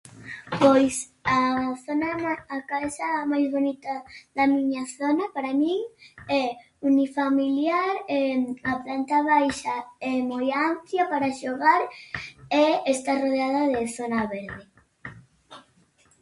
Pois a zona na, a casa máis bonita da miña zona para min é unifamiliar a planta baixa é moi amplia para xogar e está rodeada de zona verde.